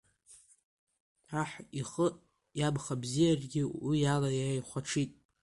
Аҳ ихы иамхабзиарагьы уиала иааихәаҽит.